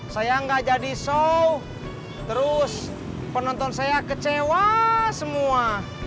saya nggak jadi show terus penonton saya kecewa semua